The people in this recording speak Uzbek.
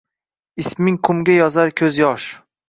Isming qumga yozar koʼz yosh.